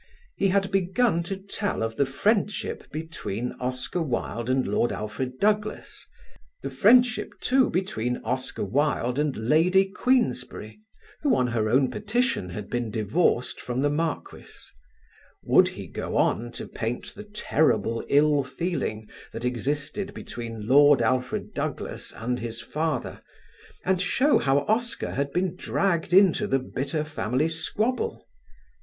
He had begun to tell of the friendship between Oscar Wilde and Lord Alfred Douglas; the friendship too between Oscar Wilde and Lady Queensberry, who on her own petition had been divorced from the Marquis; would he go on to paint the terrible ill feeling that existed between Lord Alfred Douglas and his father, and show how Oscar had been dragged into the bitter family squabble?